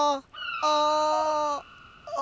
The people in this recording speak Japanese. ああ。